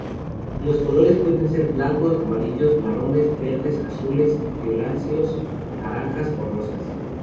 Los colores pueden ser blancos, amarillos, marrones, verdes, azules, violáceos, naranjas o rosas.